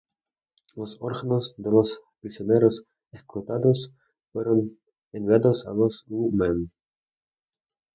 Los órganos de los prisioneros ejecutados fueron enviados a los U-Men.